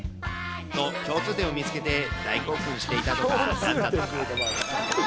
と、共通点を見つけて大興奮していたとか、なかったとか。